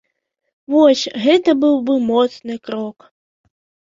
Вось, гэта быў бы моцны крок!